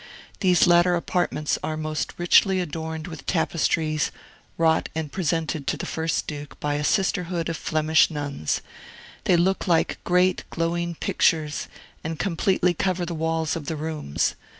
These latter apartments are most richly adorned with tapestries, wrought and presented to the first Duke by a sisterhood of Flemish nuns; they look like great, glowing pictures, and completely cover the walls of the rooms.